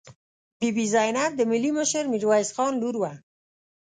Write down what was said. بي بي زینب د ملي مشر میرویس خان لور وه.